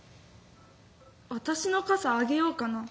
私の傘あげようかな？」